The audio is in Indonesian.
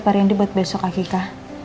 pak rindy buat besok akika